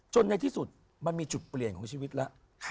ในที่สุดมันมีจุดเปลี่ยนของชีวิตแล้ว